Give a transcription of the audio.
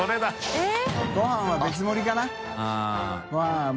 えっ？